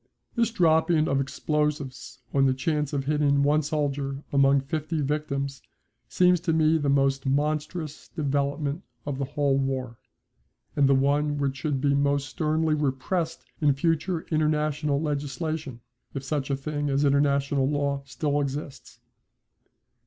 This dropping of explosives on the chance of hitting one soldier among fifty victims seems to me the most monstrous development of the whole war, and the one which should be most sternly repressed in future international legislation if such a thing as international law still exists.